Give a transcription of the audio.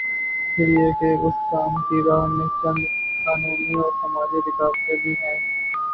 پھر یہ کہ اس کام کی راہ میں چند قانونی اور سماجی رکاوٹیں بھی ہیں۔